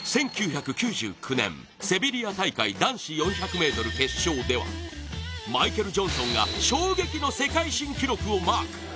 １９９９年、セビリア大会男子４００ｍ決勝ではマイケル・ジョンソンが衝撃の世界新記録をマーク。